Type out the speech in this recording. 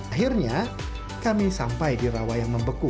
akhirnya kami sampai di rawa yang membeku